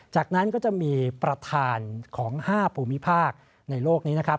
จากนั้นก็จะมีประธานของ๕ภูมิภาคในโลกนี้นะครับ